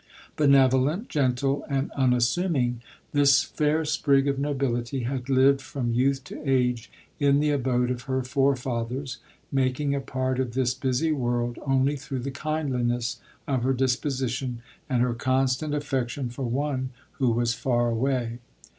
Benevolent, gentle, and unas suming, this fair sprig of nobility had lived from you tli to age in the abode of her fore fathers, making a part of this busy world, only through the kindliness of her disposition, and her constant affection for one who was far away.